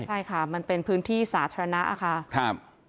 ใช่ค่ะมันเป็นพื้นที่สาธิณะค่ะ